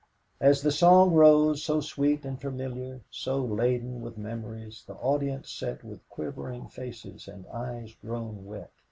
As the song rose, so sweet, and familiar, so ladened with memories, the audience sat with quivering faces and eyes grown wet.